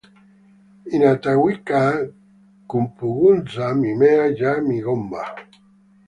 Inatakiwa kupunguza mimea ya migomba